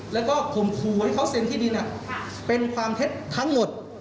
แล้วก็ข่มขู่ให้เขาเซ็นที่ดินเป็นความเท็จทั้งหมด